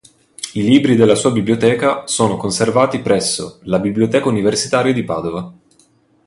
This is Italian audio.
I libri della sua biblioteca sono conservati presso la Biblioteca universitaria di Padova.